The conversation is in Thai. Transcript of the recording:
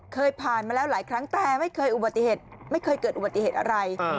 เคยผ่านมาแล้วหลายครั้งแต่ไม่เคยเกิดอุบัติเหตุอะไร